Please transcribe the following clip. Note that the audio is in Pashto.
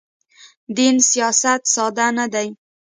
دین سیاست ساده نه دی.